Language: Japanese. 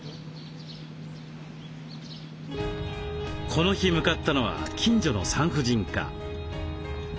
この日向かったのは近所の産婦人科。